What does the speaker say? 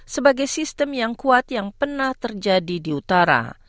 sebagai sistem yang kuat yang pernah terjadi di utara